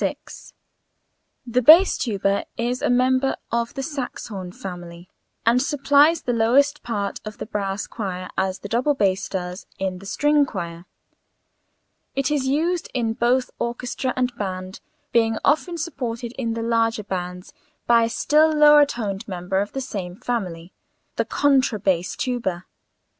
The bass tuba is a member of the saxhorn family and supplies the lowest part of the brass choir, as the double bass does in the string choir. It is used in both orchestra and band, being often supported in the larger bands by a still lower toned member of the same family the contra bass tuba.